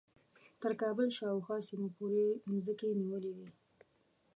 تر کابل شاوخوا سیمو پورې مځکې نیولې وې.